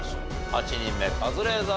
８人目カズレーザーさん